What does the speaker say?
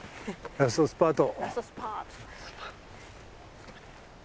ラストスパート。